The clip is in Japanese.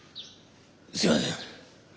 すいやせん。